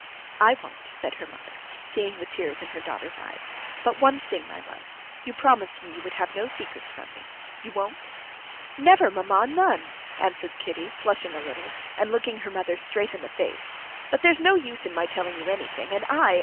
"I won't," said her mother, seeing the tears in her daughter's eyes; "but one thing, my love; you promised me you would have no secrets from me. You won't?" "Never, mamma, none," answered Kitty, flushing a little, and looking her mother straight in the face, "but there's no use in my telling you anything, and I